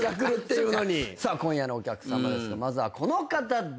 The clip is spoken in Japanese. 今夜のお客さまですがまずはこの方です。